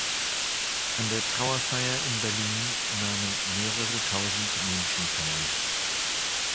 An der Trauerfeier in Berlin nahmen mehrere tausend Menschen teil.